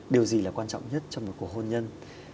điều gì là quan trọng nhất trong một cuộc hôn nhân